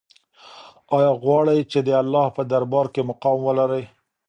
آیا غواړې چې د الله په دربار کې مقام ولرې؟